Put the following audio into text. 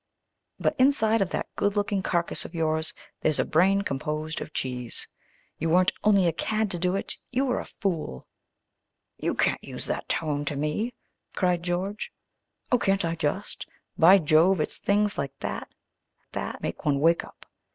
But inside of that good looking carcass of yours there's a brain composed of cheese. You weren't only a cad to do it you were a fool!" "You can't use that tone to me!" cried George. "Oh, can't I just? By Jove, it's things like that that make one wake up.